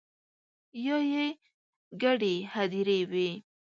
یا يې ګډې هديرې وي